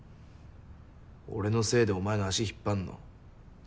俺のせいでお前の足引っ張んの。